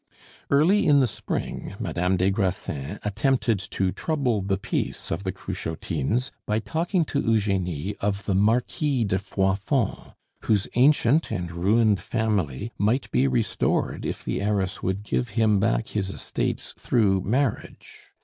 Early in the spring, Madame des Grassins attempted to trouble the peace of the Cruchotines by talking to Eugenie of the Marquis de Froidfond, whose ancient and ruined family might be restored if the heiress would give him back his estates through marriage.